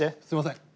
すいません。